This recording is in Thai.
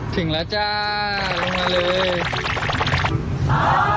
ถึงแล้วจ้าลงมาเลย